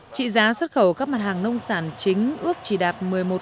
trị giá xuất khẩu các mặt hàng nông sản chính ước trì đáp